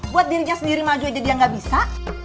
buat dirinya sendiri maju aja dia gak bisa